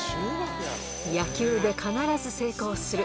野球で必ず成功する。